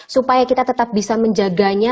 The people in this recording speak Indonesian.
supaya kita tetap bisa menjaganya